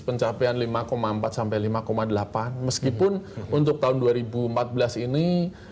pencapaian lima empat sampai lima delapan meskipun untuk tahun dua ribu empat belas ini